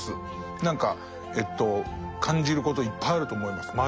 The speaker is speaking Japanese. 何か感じることいっぱいあると思いますまだまだ。